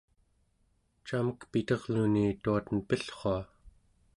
camek piterluni tuaten pillrua?